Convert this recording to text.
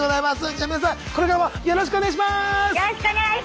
じゃあ皆さんこれからもよろしくお願いします。